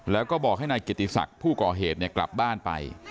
แล้วก็บอกให้นายเกียรติศักดิ์ผู้ก่อเหตุกลับบ้านไป